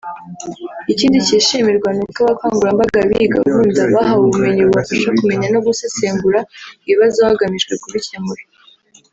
Ikindi cyishimirwa ni uko abakangurambaga b’iyi gahunda bahawe ubumenyi bubafasha kumenya no gusesengura ibibazo hagamijwe kubikemura